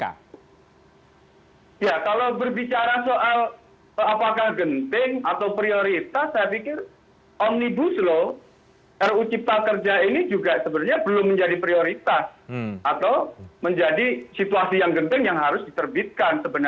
ya kalau berbicara soal apakah genting atau prioritas saya pikir omnibus law ruu cipta kerja ini juga sebenarnya belum menjadi prioritas atau menjadi situasi yang genting yang harus diterbitkan sebenarnya